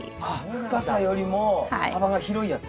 深さよりも幅が広いやつ。